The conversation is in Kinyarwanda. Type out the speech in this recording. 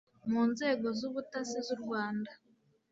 mu nzego z'ubutasi z'u Rwanda